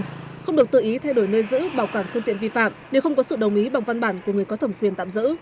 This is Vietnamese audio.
tổ chức vi phạm không được tự ý thay đổi nơi giữ bảo quản phương tiện vi phạm nếu không có sự đồng ý bằng văn bản của người có thẩm quyền tạm giữ